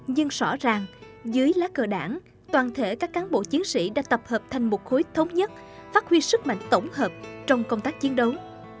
nhưng rõ ràng dưới lá cờ đảng toàn thể các cán bộ chiến sĩ đã tập hợp thành một khối thống nhất phát huy sức mạnh tổng hợp trong công tác chiến đấu